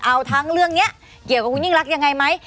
เอาทั้งเรื่องนี้เกี่ยวกับคุณยิ่งรักยังไงไหม